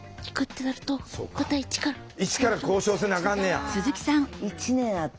イチから交渉せなあかんねや。